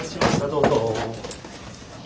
どうぞ。